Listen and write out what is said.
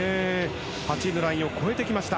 ８位のラインを越えてきました。